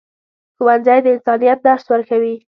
ښوونځی د انسانیت درس ورکوي.